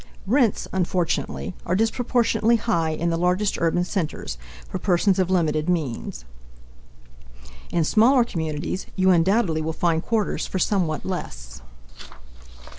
Rents, unfortunately, are disproportionately high in the largest urban centers, for persons of limited means. In smaller communities, you undoubtedly will find quarters for somewhat less.